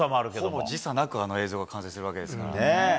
ほぼ時差なく、あの映像が完成するわけですからね。